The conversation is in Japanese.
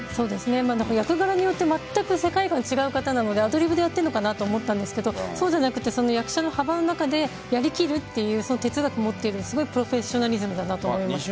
役柄によってまったく世界観が違う方なのでアドリブでやってる方かと思ったんですが役者の幅の中でやりきるという哲学を持っているプロフェッショナリズムだと思います。